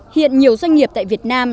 hiện nhiều doanh nghiệp tại việt nam